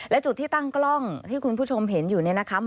และจุดที่ตั้งกล้องที่คุณผู้ชมเห็นอยู่เนี่ยนะคะ